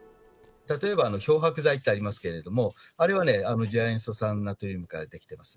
例えば漂白剤ってありますけれども、あれは次亜塩素酸ナトリウムから出来てます。